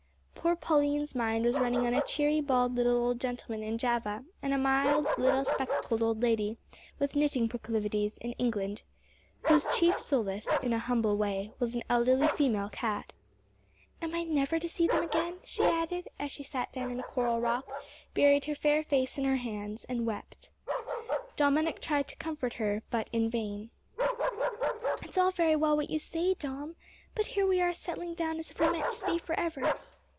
Poor Pauline's mind was running on a cheery bald little old gentleman in Java, and a mild little spectacled old lady, with knitting proclivities, in England, whose chief solace, in a humble way, was an elderly female cat. "Am I never to see them again?" she added, as she sat down on a coral rock, buried her fair face in her hands, and wept. Dominick tried to comfort her, but in vain. "It's all very well what you say, Dom, but here we are settling down as if we meant to stay for ever.